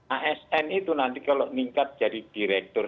asn itu nanti kalau ningkat jadi direktur